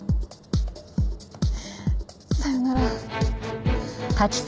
さよなら。